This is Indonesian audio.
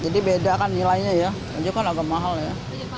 jadi beda kan nilainya ya itu kan agak mahal ya